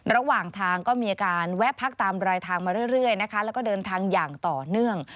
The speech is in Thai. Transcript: ระหว่างทางก็มีอาการแวะพักตามรายทางมาเรื่อยนะคะแล้วก็เดินทางอย่างต่อเนื่อง